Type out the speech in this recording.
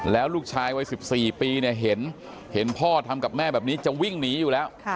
แล้วลูกชายวัย๑๔ปีเห็นพ่อทำกับแม่แบบนี้จะวิ่งหนีอยู่แล้ว